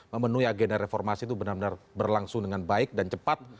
memenuhi agenda reformasi itu benar benar berlangsung dengan baik dan cepat